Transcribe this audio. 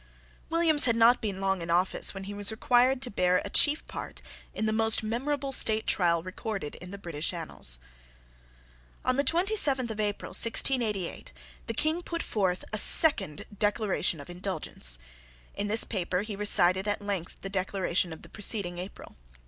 Williams had not been long in office when he was required to bear a chief part in the most memorable state trial recorded in the British annals. On the twenty seventh of April 1688, the King put forth a second Declaration of Indulgence. In this paper he recited at length the Declaration of the preceding April.